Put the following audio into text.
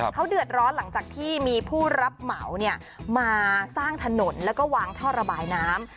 เขาเดือดร้อนหลังจากที่มีผู้รับเหมาเนี่ยมาสร้างถนนแล้วก็วางท่อระบายน้ำ